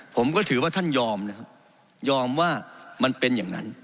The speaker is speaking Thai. ผมก็ถือว่าท่านยอมนะครับยอมว่ามันเป็นอย่างนั้น